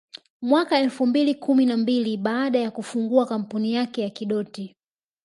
Mwaka elfu mbili kumi na mbili baada ya kufungua kampuni yake ya Kidoti